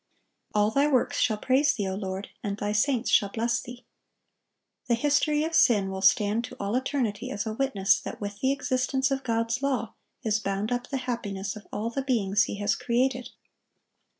"All Thy works shall praise Thee, O Lord; and Thy saints shall bless Thee."(1163) The history of sin will stand to all eternity as a witness that with the existence of God's law is bound up the happiness of all the beings He has created.